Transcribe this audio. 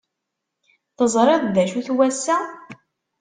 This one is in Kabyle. Teẓriḍ d acu-t wass-a?